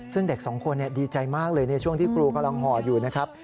ซึ่งเด็กสองคนดีใจมากเลยในช่วงที่ครูกำลังห่ออยู่นะครับ